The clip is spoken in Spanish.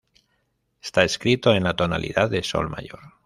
Está escrito en la tonalidad de sol mayor.